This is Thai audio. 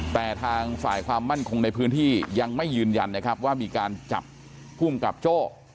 แต่ทางฝ่ายความมั่นคงในพื้นที่ยังไม่ยืนยันนะครับว่ามีการจับภูมิกับโจ้